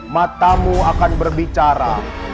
matamu akan berbicara